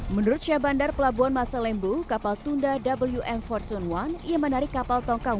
menurut syah bandar pelabuhan masa lembu kapal tunda wm fortune one yang menarik kapal tongkang